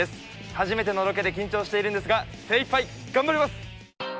初めてのロケで緊張しているんですが精いっぱい頑張ります！